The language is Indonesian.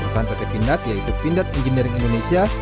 perusahaan pt pindad yaitu pindad engineering indonesia